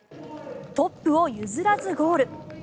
トップを譲らずゴール。